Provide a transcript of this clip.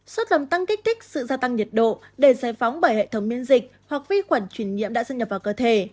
sốt làm tăng kích thích sự gia tăng nhiệt độ để giải phóng bởi hệ thống miễn dịch hoặc vi khuẩn chuyển nhiễm đã xâm nhập vào cơ thể